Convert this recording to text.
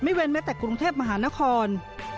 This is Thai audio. เว้นแม้แต่กรุงเทพมหานคร